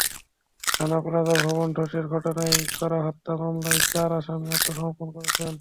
Rana Plaza ভবন ধসের ঘটনায় করা হত্যা মামলায় চার আসামি আত্মসমর্পণ করেছেন।